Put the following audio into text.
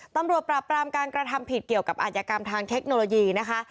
ตำรวจปราบปรามการกระทำผิดเกี่ยวกับอาจยกรรมทางเทคโนโลยีนะคะ